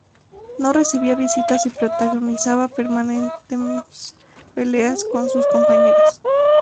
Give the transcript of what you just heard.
No recibía visitas y protagonizaba permanentes peleas con sus compañeras.